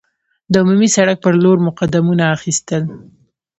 د عمومي سړک پر لور مو قدمونه اخیستل.